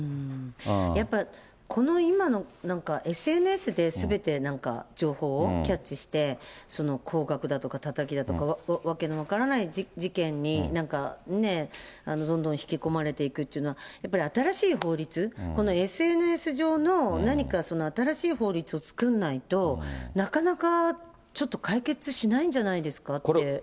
やっぱ、この今のＳＮＳですべてなんか情報をキャッチして、高額だとか、タタキだとか、訳の分からない事件になんかどんどん引き込まれていくというのは、やっぱり新しい法律、このＳＮＳ上の何か新しい法律を作んないと、なかなかちょっと解決しないんじゃないですかって思うんですけど。